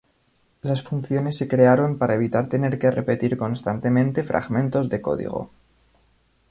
Las funciones se crearon para evitar tener que repetir constantemente fragmentos de código.